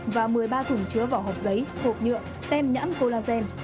và một mươi ba thùng chứa vỏ hộp giấy hộp nhựa tem nhãn collagen